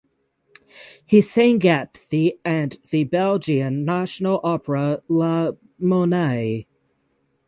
He sang at the and the Belgian National Opera La Monnaie.